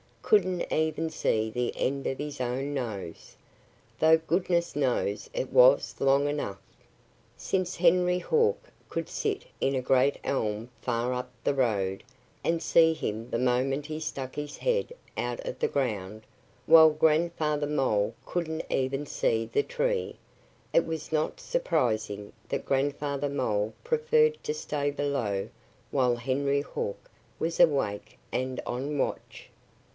couldn't even see the end of his own nose, though goodness knows it was long enough! Since Henry Hawk could sit in a great elm far up the road and see him the moment he stuck his head out of the ground, while Grandfather Mole couldn't even see the tree, it was not surprising that Grandfather Mole preferred to stay below while Henry Hawk was awake and on watch.